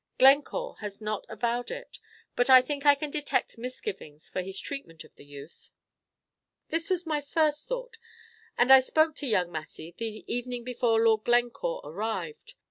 Glencore has not avowed it, but I think I can detect misgivings for his treatment of the youth." "This was my first thought, and I spoke to young Massy the evening before Lord Glencore arrived.